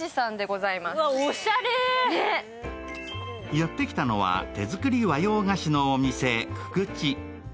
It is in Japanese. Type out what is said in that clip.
やってきたのは手作り和洋菓子のお店、鞠智。